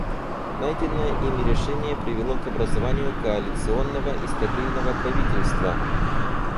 Найденное ими решение привело к образованию коалиционного и стабильного правительства.